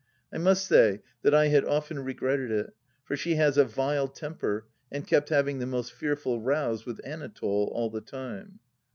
I must say that I had often regretted it, for she has a vUe temper, and kept havmg the most fearful rows with Anatole all the time.